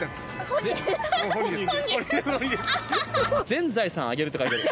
「全財産あげる」って書いてある。